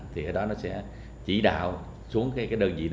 thì ở đó nó sẽ chỉ đạo xuống đơn vị